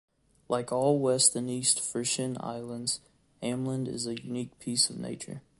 Like all West and East Frisian Islands, Ameland is a unique piece of nature.